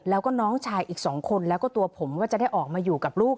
แล้วก็น้องชายอีก๒คนแล้วก็ตัวผมก็จะได้ออกมาอยู่กับลูก